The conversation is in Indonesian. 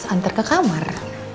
anter ke kamar